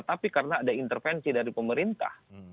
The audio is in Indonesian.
tapi karena ada intervensi dari pemerintah